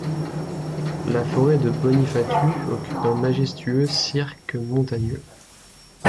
La forêt de Bonifatu occupe un majestueux cirque montagneux.